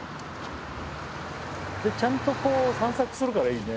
ちゃんと散策するからいいね。